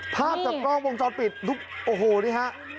ภาพจากกล้องวงจรปิดโอ้โหนี่ฮะ